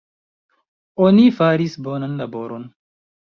Oni faris bonan laboron.